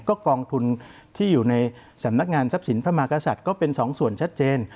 ก็กองทุนที่อยู่ในสำนักงานทรัพย์สินพระมากษัตริย์ก็เป็นสองส่วนชัดเจน